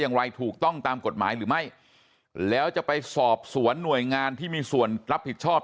อย่างไรถูกต้องตามกฎหมายหรือไม่แล้วจะไปสอบสวนหน่วยงานที่มีส่วนรับผิดชอบ